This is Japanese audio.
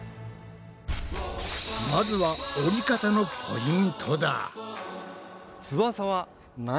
まずは折り方のポイントだ！